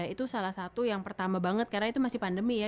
itu salah satu yang pertama banget karena itu masih pandemi ya